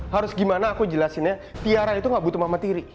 harus gimana aku jelasinnya tiara itu gak butuh mama tiri